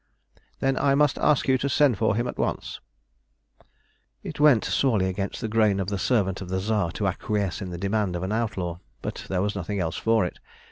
"Then I must ask you to send for him at once." It went sorely against the grain of the servant of the Tsar to acquiesce in the demand of an outlaw, but there was nothing else for it.